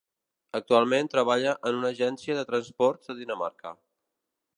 Actualment treballa en una agència de transports a Dinamarca.